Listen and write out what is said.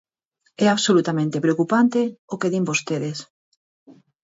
É absolutamente preocupante o que din vostedes.